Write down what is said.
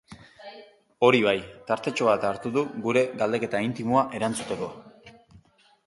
Hori bai, tartetxo bat hartu du gure galdeketa intimoa erantzuteko.